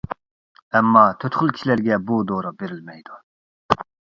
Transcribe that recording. ئەمما تۆت خىل كىشىلەرگە بۇ دورا بېرىلمەيدۇ.